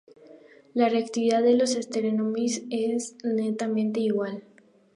La reactividad de los estereoisómeros es netamente igual.